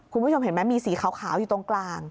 คุณผู้ชมเห็นไหมมีสีขาวอยู่ตรงกลาง